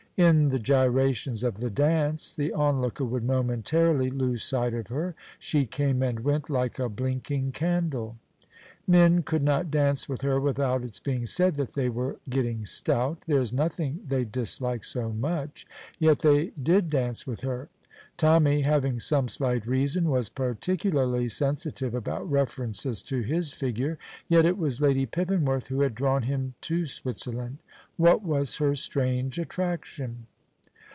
In the gyrations of the dance the onlooker would momentarily lose sight of her; she came and went like a blinking candle. Men could not dance with her without its being said that they were getting stout. There is nothing they dislike so much, yet they did dance with her. Tommy, having some slight reason, was particularly sensitive about references to his figure, yet it was Lady Pippinworth who had drawn him to Switzerland. What was her strange attraction?